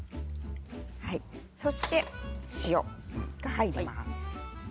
そして塩が入ります。